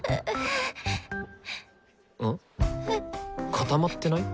固まってない？